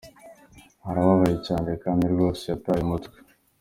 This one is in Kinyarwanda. "Arababaye cyane kandi rwose yataye umutwe".